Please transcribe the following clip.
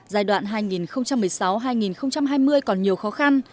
giai đoạn hai nghìn một mươi sáu hai nghìn hai mươi còn nhiều khó khăn